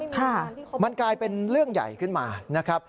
ค่ะมันกลายเป็นเรื่องใหญ่ขึ้นมานะครับ